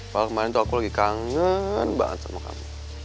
kalau kemarin tuh aku lagi kangen banget sama kamu